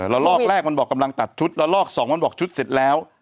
แล้วลอกแรกมันบอกกำลังตัดชุดละลอกสองมันบอกชุดเสร็จแล้ว